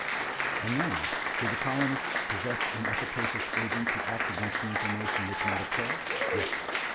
And now did the colonists possess an efficacious agent to act against the inflammation which might occur? Yes.